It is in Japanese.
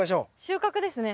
収穫ですね。